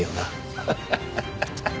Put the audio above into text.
ハハハハハ。